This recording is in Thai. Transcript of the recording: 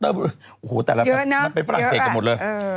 โอ้โหแต่ละเป็นฝรั่งเศรษฐกันหมดเลยเยอะอ่ะ